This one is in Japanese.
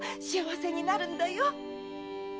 幸せになるんだよ！